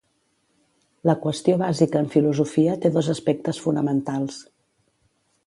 La qüestió bàsica en filosofia té dos aspectes fonamentals.